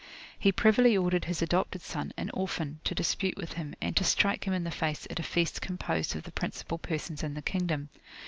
He privily ordered his adopted son, an orphan [p.349]to dispute with him, and to strike him in the face at a feast composed of the principal persons in the kingdom.